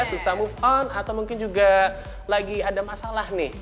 susah move on atau mungkin juga lagi ada masalah nih